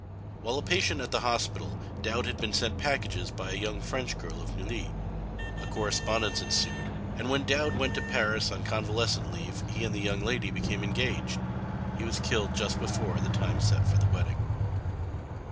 While a patient at the hospital Dowd had been sent packages by a young French girl of Neuilly. A correspondence ensued, and when Dowd went to Paris on convalescent leave he and the young lady became engaged. He was killed just before the time set for the wedding.